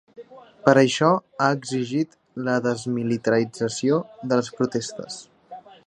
Per això ha exigit la desmilitarització de les protestes.